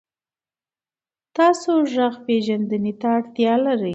تاسو غږ پېژندنې ته اړتیا لرئ.